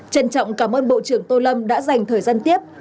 trân trọng cảm ơn bộ trưởng tô lâm đã dành thời gian tiếp